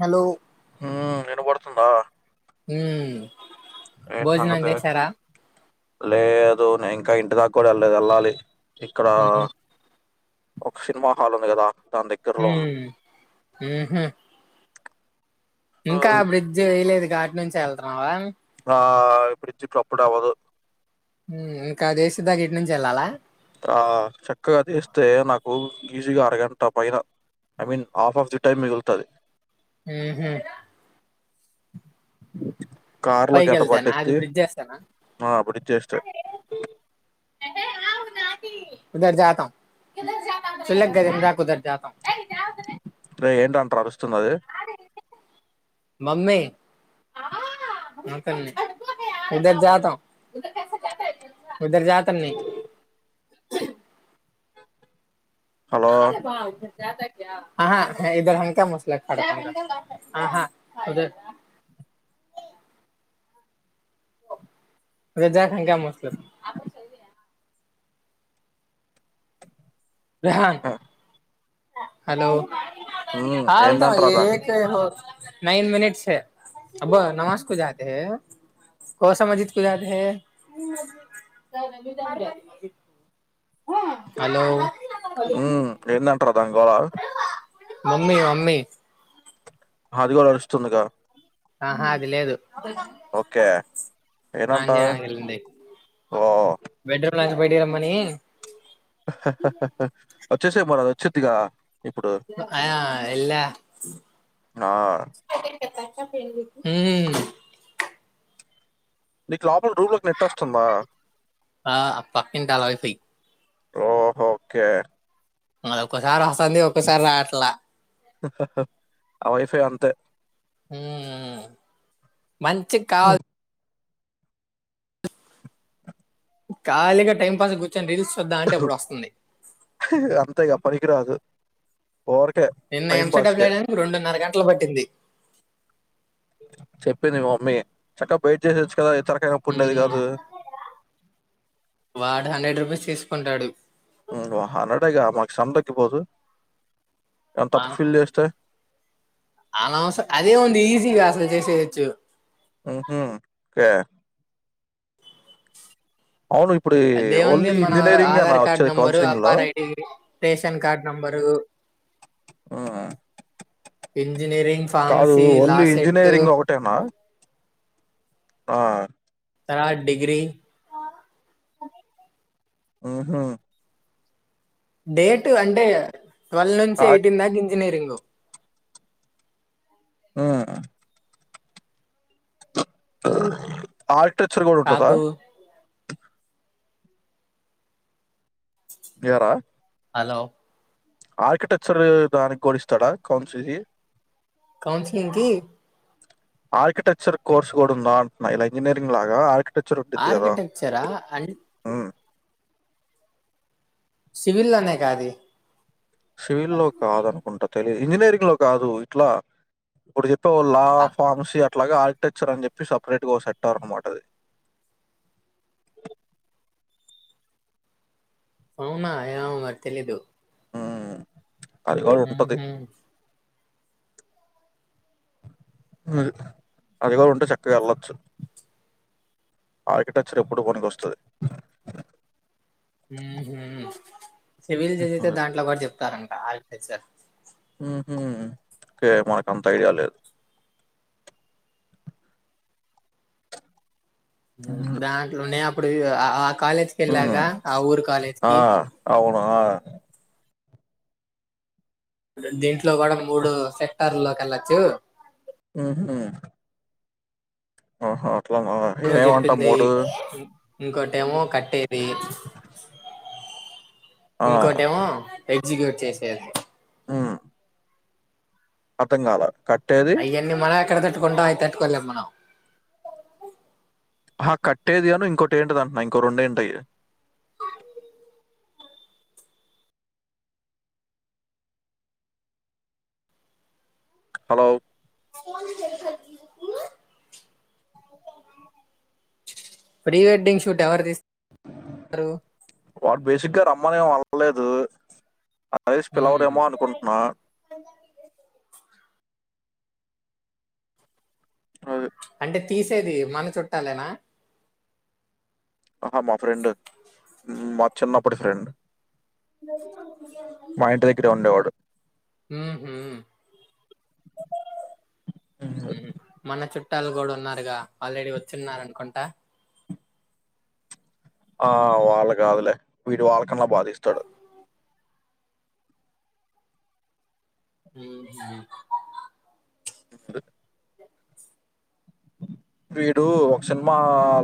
Hello మా హ్మ్ భోజనం సంగతి? చేసారా లేదు నేనింకా ఇంటి దాకా కూడా వెళ్లలేదు వెళ్ళాలి ఇక్కడ మ్మ్. ఒక సినిమా హాల్ ఉంది కదా దాని దగ్గరలో ఉన్నా. హ్మ్ ఉహు ఇంకా ఆహ్, బ్రిడ్జ్ ఏయలేదు గాటి నుంచే వెళ్తున్నావా ఆ బ్రిడ్జ్ ఇప్పుడప్పుడే అవ్వదు ఇంకా అదేసే దాగ ఇటు నుంచి ఎళ్ళాలా ఆ చక్కగా తీస్తే నాకు ఈజీగా అరగంట పైన I mean half of the time మిగులుతది ఉహు కారులో పైకి గంట ఎళ్తేనా అది పట్టిద్ది. బ్రిడ్జ్ ఏస్తేనా ఆ! బ్రిడ్జ్ చేస్తే. ఉదర్ జతా [unintelligible] ఉదర్ జతా అరే ఏంటంటరా అరుస్తున్నది మమ్మీ మా ఇదర్ జాత ఉదర్ జాత నై హలో! [unintelligible] ఆహా ఇదర్ హంకా ముసలడత ఆహా ఉదర్ రేజ నిక ముస్తులు ఆహ్, హలో హ్మ్. హ ఉత ఏందంట్రా ఏ దాని నైన్ మినిట్ అబ్బా నమాస్ కు జా కోస మజికు జతేహే హలో ఉ ఏందం దాని గోల మి అది కూడా అరుస్తుందిగా ఆహా అది లేదు ఓకే. స్నానం ఏనంట? చేయడానికి వెళ్ళింది బెడ్ రూమ్లా బయటికి రమ్మని హా హా హా హా అచ్చేసేయ్ పోరాదు అచ్చిద్దిగా అయా ఎల్లా ఆ! హ్మ్ నీ క్లబ్ రూకి నెట్టొస్తుందా ఆ పక్కింటి అలవిసి ఓహో ఓకే మ ఒక్కసారి వస్తుంది ఒక్కసారి రాట్లా ఆ వైఫై అంతే ఉమ్ మంచి కాల కాలీగా టైం పాస్ గు అంతేగా అపరికరాదు నిన్న ఎంసడబ్లయడానికి రెండున్నర గంటలు పట్టింది చెప్పింది మీ చక్కగా బయిట్ చేసే వాడు హండ్రెడ్ రూపీస్ తీసుకు కొంటాడు హండ్రెడ్ డే గా మనకు శ్రమ తగ్గిపోదు ఎంత తప్పు ఫీల్ చేస్తేయి అలా అదే వ ఈసీగా అసలు చేసే వచ్చు ఊహూ ఓకే అవును ఇప్పుడు అదేముంది ఓన్లీ మన ఇంజినీరింగేనా ఆధార్ కార్డ్ వచ్చేది నంబరు కౌన్సెలింగ్‌లో? APAAR ID ration card number హ్మ్. కాదు ఓన్లీ ఇంజనీరింగ్ ఒకటేనా ఆ త్రా డిగ్రీ ఆహా డేట్ అంటే టూళ్ళు నుంచి ఆ! ఎయిటీన్ దాక ఇంజనీరింగ్ ఆ ఆట్ ఆర్కిటెక్చర్ కూడా ఉంటుందా కాకు ఏ‌రా హలో ఆర్కిటెక్చర్ ఆ దానిక్కూడా ఇస్తాడా కౌన్సిలీ. కౌన్సిలింగ్కీ ఆర్కిటెక్చర్ కోర్స్ కూడ ఉందా అంటున్న. ఇలా ఇంజనీరింగ్ లాగా ఆర్ టెక్చర్ ఉండిద్ది కదా. ఆర్కిటెక్చరా అండ్ ఊ సివిల్ లోనే గా అదీ. సివిల్లో కాదనుకుంట. తెలీద్ ఇంజిననీరింగ్ లో కాదు ఇట్లా. ఇప్పుడు చెప్ లో లా, ఫార్మసీ అట్ అట్లాగ ఆర్కిటెక్చర్ అని చెప్పి సపరేట్ గా ఓ సెట్ట అవ అనమాటది. అవునా ఏమో మరి తెలీదు. హ్మ్. అది గూడ ఉంటది. మ్మ్హ్మ్. అది. అది కూడా ఉంటే చక్కగా ఎళ్ళొచ్చు. ఆర్కిటెక్చర్ ఎప్పుడు పనికొస్తది. ఊ హూ. సివిల్ చేసేసైతే అది. దాంట్లో కూడ చెప్తారం ఆర్కిటెక్చర్ ఊహూ. ఏమో నాక్ అంత ఐడియా లేద్. దాంట్లోనే అప్ అప్పుడిగా ఆ ఆ కాలేజ్కి హ్మ్. ఎల్లాగా ఆ ఊరు ఆ! కాలేజ్కి. అవును. ఆ! దీంట్లో కూడ మూడూ సెక్టర్లోకి ఎళ్ళొచ్చూ. ఊహూ ఆహా అట్లనా ఏమంటా మూడూ. ఇంకా డెమో కట్టేదీ. ఆ! ఇంకోటేమో పేన్ [unintelligible] చేసేది. ఆ అర్ధం కాలే. అయ్యన్ని మన మెక్కడతట్ కుంటాం అయితట్టుకోలేం మనం. అహా కట్టేది అను ఇంకోటి ఏంటిదో అంటున్నావ్ ఇంకో రెండు ఏంటయి. హలో కోం చే ప్రీ వెడ్డింగ్ షూట్ ఎవరు తీస్త వాడ్ బేసిక్గా రమ్మనే వాళ్ లేదూ. రైస్ మ్మ్. పిలవరేమో అనుకుంటున్నా అదే ఆంటే తీసేది మన చుట్టాలేనా ఆహా మా ఫ్రెండ్ మా చిన్నప్పటి ఫ్రెండ్ మా ఇంటి దగ్గరే ఉండేవాడు. [unintelligible] హుహు హుహు మన చట్ట చుట్టాలు కూడా ఉన్నారుగా ఆల్రెడీ వచ్చిన్నార అనుకుంటా ఆ వాళ్ళ కాదులే వీడు వాళ్ళకన్నా బాధిస్తాడు ఉహు అ వీడు సినిమా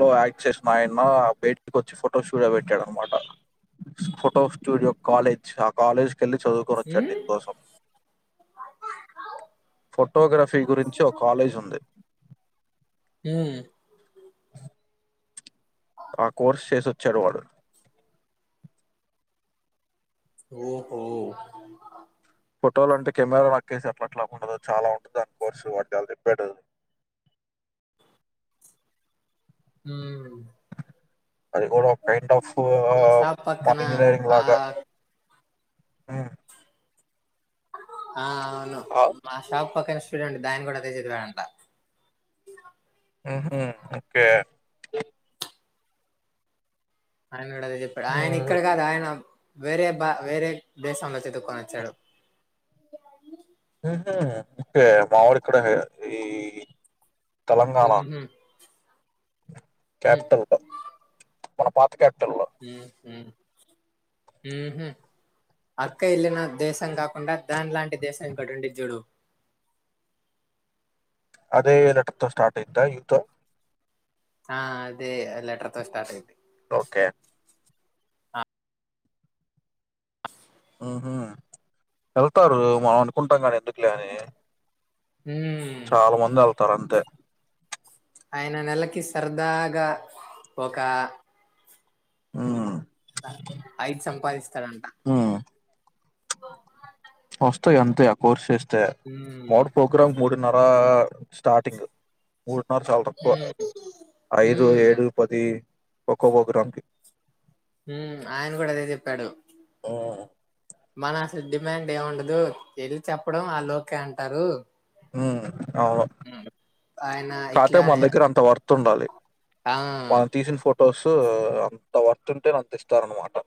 లో యాక్ట్ చేసిన ఆయన బే ఇంటి కొచ్చి ఫొటో స్టూడియో పెట్టాడు అనమాట ఫొటో స్టూడియో కాలేజ్ ఆ కాలేజ్ వెళ్లి చదువుకొని వచ్చాడు మ్మ్? దీని కోసం ఫొటోగ్రఫీ గురించి ఒక కాలేజ్ ఉంది. హు ఆ కోర్సు చేసి వచ్చాడు వాడు ఓహో ఫోటోలు అంటే కెమెరా నోక్కేసి అట్లా అట్లా ఉండదు చాలా ఉంటుంది. దాని కోర్స్ వాడు చాలా చెప్పాడు. హు అది కూడా కైండ్ ఆఫ్ మా షాప్ మన పక్కన ఇంజనీరింగ్ ఆ లాగా హు ఆ అవును ఆ? మా షాప్ పక్కన స్టూడెంట్ బ్యాన్ కూడా అదే చదివాడంట హుహు ఓకే ఆయన కూడా అదే చెప్పాడు ఆయన ఉహ్, ఇక్కడ కాదు ఆయన వేరే బా వేరే దేశంలో చదువుకుని వచ్చాడు కే మావడు ఇక్కడే ఈ తెలంగాణ మ్మ్హ్. మ్మ్. క్యాపిటల్ మన పాత ఎత్తాన్ హుహు ఊహు అక్క వెళ్ళిన దేశం కాకుండా దాని లాంటి దేశం ఇక్కోటీ ఉంతదిచూడు అదే లెటర్ తో స్టార్ట్ అయింద యు తో ఆ అదే లెటర్ తో స్టార్ట్ అయిద్ది ఓకే ఉహు వెళ్తారు మనం అనుకుంటాం కానీ ఎందుకులే అని హ్మ్. చాలా మంది వెళ్తారు అంతే ఆయన నెలకి సరదాగా ఒక హు ఐదు సంపాదిస్తాడంట వస్తయి అంతే ఆ కోర్స్ చేస్ తే మా హ్మ్. వాడు ప్రోగ్రామ్ మూడున్నర స్టార్టింగ్ మూ [unintelligible] చాల తక్కువ హ్మ్. ఐదు హ్మ్. ఏడు పది ఒక్కో ఒ గ్రాంకి మ్ ఆయన కూడా అదే చెప్పాడు ఉమ్ మన అసలు డిమాండ్ ఏముండదు వెళ్ళి చెప్పడం వాళ్ళు ఒకే అంటారు మ్మ్ అవు ఆయన కాపోతే మన ఇట్లానే దగ్గర అంత వర్త్ ఉండాలి ఆ! మనం తీసిన ఫో ఫొటోస్ అంత వర్తుంటే నాంత ఇస్తార అనమాట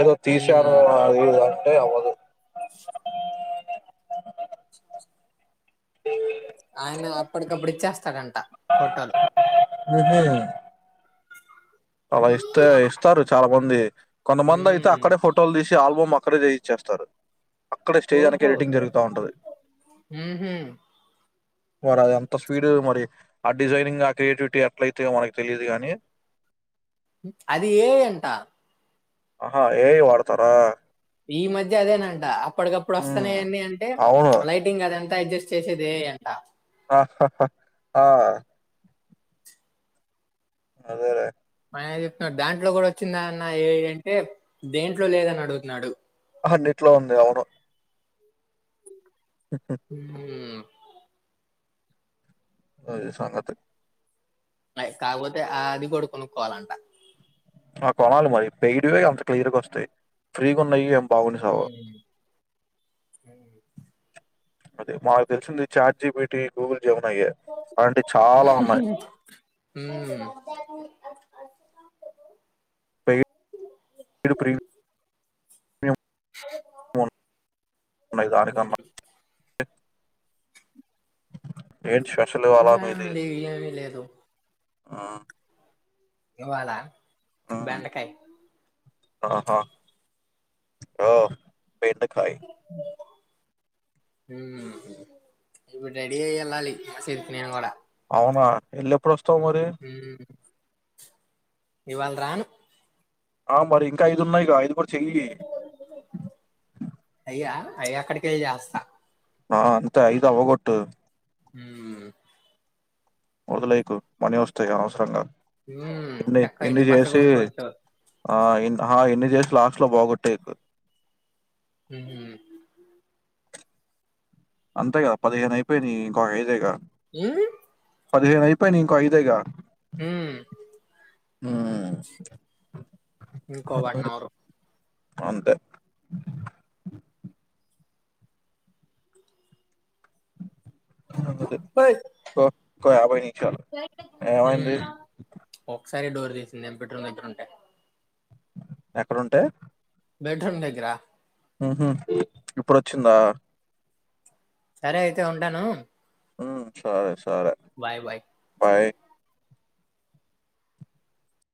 ఏదో హ్మ్. తీసానుదా అదే అదు స్త ఫోటోలు మ్ హు అలా ఇస్తే ఇస్తారు చాలా మంది కొంతమంది అయితే హ్మ్. అక్కడే ఫోటోలు తీసి ఆల్బమ్ అక్కడ చేయిచ్చేస్తారు అక్కడ స్టేజ్ అనేక ఓహో! ఎడిటింగ్ జరుగుతా ఉంటది హుహు. మరి అది అంత స్పీడ్ మరి ఆ డిజైనింగ్ ఆ క్రియేటివిటీ ఎట్ల అయితేయో మనకు తెలీదు గానీ అది ఏ అంటా ఆ ఏయి వాడతారా ఈ మధ్య అదేనంటా అప్పటికప్పుడు హ్మ్. వస్తున్నాయి అంటే అవును. లైటింగ్ కదే అడ్జస్ట్ చేసేదే అంట ఆహ్ హహా ఆ అదే రే ఆయన చెప్తున్నాడు దాంట్లో కూడా వచ్చిందా అన్న ఏఐ అంటే దేంట్లో లేదని అడుగుతున్నాడు అన్నిట్లో ఉంది అవును హుమ్మ్ అదీ సంగతి అయ్ కాకపోతే ఆ అది కూడు కొనుక్కోవాలంట ఆ కొణాల మరి పేయిడ్ అంత క్లియర్ గా వస్తాయ్ ఫ్రీగా ఉన్నయి ఎం హ్మ్ హుమ్ అదే మాకు తెలిసింది chat G P T Google జెమినయ్యే. అలాంటియి చాలా ఉన్నాయి. ఉమ్ కా ప్రైమ్ డూ ప్రైమ్. [unintelligible] ఏంటి స్పెషల్ ఇవాళ మీది. ఏముంది ఏమీ లేదు. ఆహ్. ఇవాలా. బెండకాయ. ఆహా ఓ. బెండకాయ్. ఉమ్ ఇప్పుడు రెడీ అయి వెళ్ళాలి ఆసిఫ్ కి నేను కూడా. అవునా వెళ్లి ఎప్పుడు వస్. ఉమ్ ఇవాళ రాను. ఆహ్ మరి ఇంకా ఐదు ఉన్నాయి గా ఐదుగుడ. చెయ్యి. అయా అక్కడీకొయ్యి చేస్తా. ఆహ్ అంత ఐదవగొట్టు. ఉమ్ వదిలేయకు మనీ వస్తాయి అనవసరంగా. మ్మ్. ఇన్ని చక్కగా ఇన్ని ఎన్ని బట్టలు చేసి కొనుక్కోవచ్చు ఆహ్ ఇన్ని. చేస్ లాస్ట్ లో బాగొట్టేకు. ఉమ్మ్ అంతేగ పదిహేను అయిపోయినవి ఇంకో ఐదేగా. ఉమ్మ్. పదిహేను అయిపోయినవి ఇంకో ఐదెగా. ఉమ్. ఆహ్. ఇంకో వన్ అవర్. అంతే. ఆహ్ ఇంకొ యాభై నిమిషాలు ఏమైంది. ఒకసరి డోర్ తీసింది. నేను బెడ్రూమ్ దగ్గర ఉంటే. ఎక్కడుంటే. బెడ్ రూమ్ దగ్గరా. ఇప్పుడోచ్చిందా. సరే అయితే ఉంటాను. ఉమ్ సరే స. Bye bye.